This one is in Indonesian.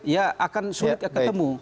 ya akan sulit ketemu